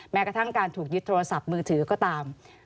แม้กระทั่งการถูกยึดโทรศัพท์มือถือก็ตาม